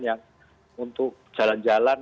yang untuk jalan jalan